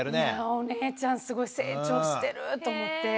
お姉ちゃんすごい成長してると思って。